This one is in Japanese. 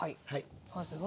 まずは。